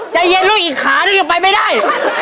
ใจเย็นลูกอีกขานึงยังไปไม่ได้